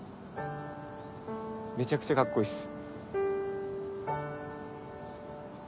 めちゃくちゃカッコいいっす。